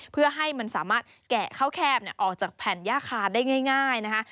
เพื่อให้มันสามารถแกะข้าวแคบออกจากแผ่นย่าคาได้ง่ายนะคะ